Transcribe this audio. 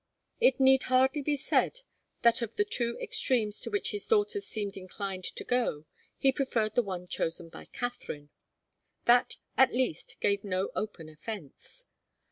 It need hardly be said that of the two extremes to which his daughters seemed inclined to go, he preferred the one chosen by Katharine. That, at least, gave no open offence.